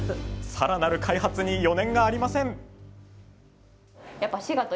さらなる開発に余念がありません。